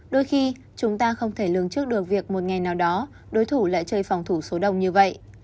đôi khi chúng ta không thể lường trước được việc một ngày nào đó đối thủ lại chơi phòng thủ số đồng như vậy